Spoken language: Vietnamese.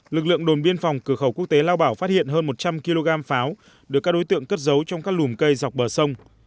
lực lượng đồn biên phòng cửa khẩu quốc tế lao bảo phát hiện hơn một trăm linh kg pháo được các đối tượng cất giấu trong các lùm cây dọc bờ sông